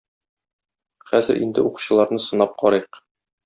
Хәзер инде укчыларны сынап карыйк.